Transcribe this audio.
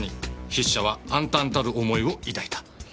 筆者は暗澹たる思いを抱いた」